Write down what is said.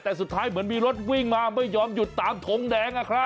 แต่สุดท้ายเหมือนมีรถวิ่งมาไม่ยอมหยุดตามทงแดง